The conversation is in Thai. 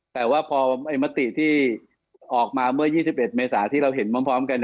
แต่ว่าพอมติที่ออกมาเมื่อ๒๑เมษาที่เราเห็นพร้อมกัน